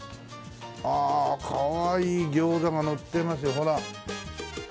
ああかわいい餃子がのってますよほら。